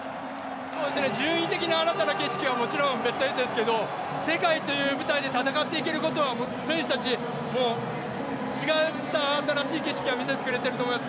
順位的に新たな景色はもちろんベスト８ですけれども世界という舞台で戦っていけることは選手たち、違った新しい景色を見せてくれてると思います。